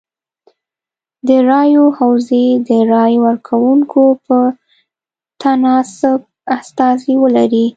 د رایو حوزې د رای ورکوونکو په تناسب استازي ولري.